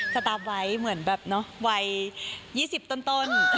สตาร์ฟไว้เหมือนแบบวัย๒๐ตน